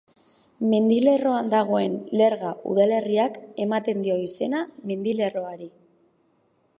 Mendilerroan dagoen Lerga udalerriak ematen dio izena mendilerroari.